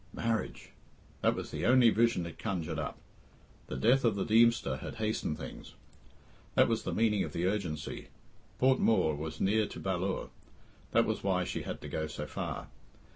Marriage! That was the only vision it conjured up. The death of the Deemster had hastened things that was the meaning of the urgency. Port Mooar was near to Ballure that was why she had to go so far.